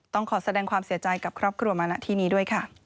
ต้องขอแสดงความเสียใจกับครอบครัวมาณที่นี้ด้วยค่ะ